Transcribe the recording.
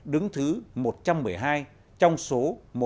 đứng thứ một trăm một mươi hai trong số